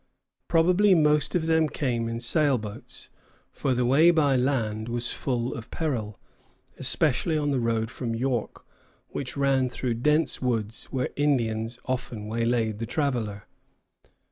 Probably most of them came in sailboats; for the way by land was full of peril, especially on the road from York, which ran through dense woods, where Indians often waylaid the traveller.